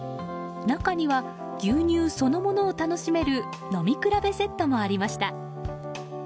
中には牛乳そのものを楽しめる飲み比べセットもありました。